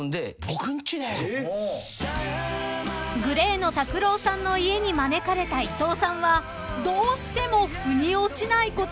［ＧＬＡＹのＴＡＫＵＲＯさんの家に招かれた伊藤さんはどうしてもふに落ちないことがあったそうで］